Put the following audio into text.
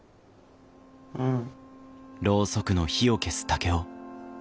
うん。